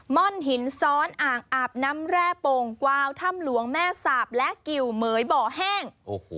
่อนหินซ้อนอ่างอาบน้ำแร่โป่งกวาวถ้ำหลวงแม่สาบและกิวเหมือยบ่อแห้ง